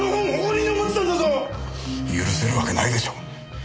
許せるわけないでしょ。